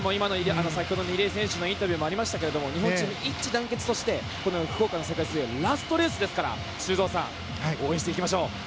先ほどの入江選手のインタビューもありましたが日本チーム、一致団結をしてこの福岡の世界水泳ラストレースですから修造さん応援していきましょう。